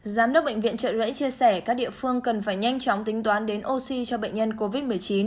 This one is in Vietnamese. giám đốc bệnh viện trợ rẫy chia sẻ các địa phương cần phải nhanh chóng tính toán đến oxy cho bệnh nhân covid một mươi chín